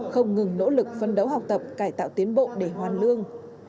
không ngừng nỗ lực phân đấu học tập cải tạo tiến bộ để hoàn lương